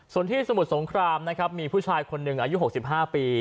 ส่วนที่สมุทรสงครามนะครับมีผู้ชายคนหนึ่งอายุ๖๕ปี